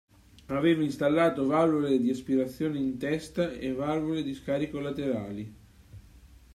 Aveva installato valvole di aspirazione in testa e valvole di scarico laterali.